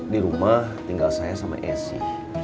di rumah tinggal saya sama esi